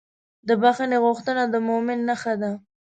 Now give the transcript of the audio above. د بښنې غوښتنه د مؤمن نښه ده.